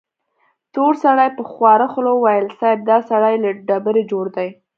تور سړي په خواره خوله وويل: صيب! دا سړی له ډبرې جوړ دی.